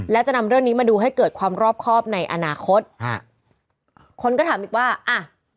และจะนำเรื่องนี้มาดูให้เกิดความรอบครอบในอนาคตฮะคนก็ถามอีกว่าอ่ะ